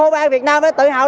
lãi việt nam